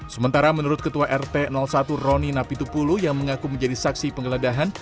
sementara menurut ketua rt satu roni napitupulu yang mengaku menjadi saksi penggeledahan